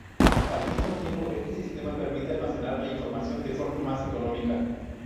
Al mismo tiempo este sistema permite almacenar la información de forma más económica.